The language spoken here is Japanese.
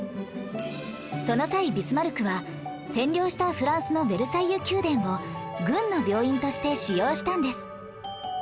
その際ビスマルクは占領したフランスのヴェルサイユ宮殿を軍の病院として使用したんです